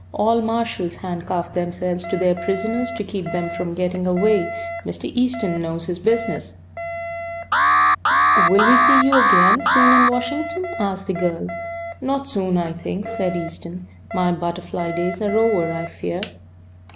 "All marshals handcuff themselves to their prisoners to keep them from getting away. Mr. Easton knows his business." "Will we see you again soon in Washington?" asked the girl. "Not soon, I think," said Easton. "My butterfly days are over, I fear."